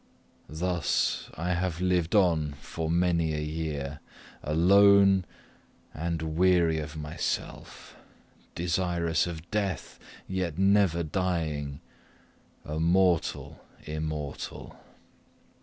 Thus I have lived on for many a year alone, and weary of myself desirous of death, yet never dying a mortal immortal.